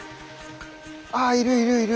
あいるいるいる。